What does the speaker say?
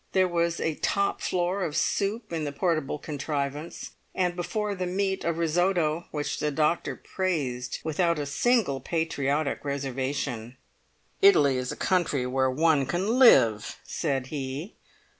There was a top floor of soup in the portable contrivance, and before the meat a risotto, which the doctor praised without a single patriotic reservation. "Italy is a country where one can live," said he.